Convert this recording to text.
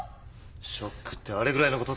ショックってあれぐらいのことで。